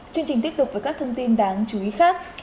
chương trình tiếp tục với các thông tin đáng chú ý khác